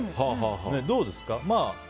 どうですか？